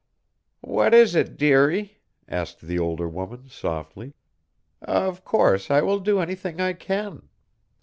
"What is it, dearie," asked the older woman, softly. "Of course I will do anything I can."